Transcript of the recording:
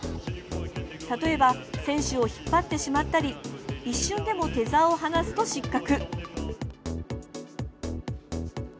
例えば、選手を引っ張ってしまったり一瞬でもテザーを離すと失格。